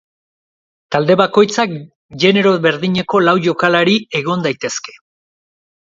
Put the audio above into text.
Talde bakoitzak genero berdineko lau jokalari egon daitezke.